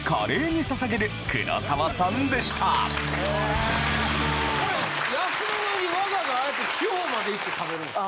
全てこれ休みの日わざわざああやって地方まで行って食べるんですか？